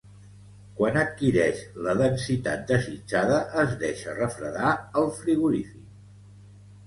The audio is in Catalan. Quan adquireix la densitat desitjada es deixa refredar al frigorífic.